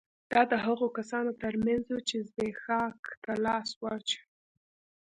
دا د هغو کسانو ترمنځ وو چې زبېښاک ته لاس واچوي